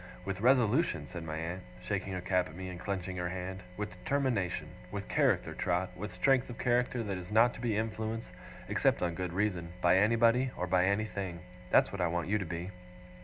With resolution,' said my aunt, shaking her cap at me, and clenching her hand. 'With determination. With character, Trot with strength of character that is not to be influenced, except on good reason, by anybody, or by anything. That's what I want you to be.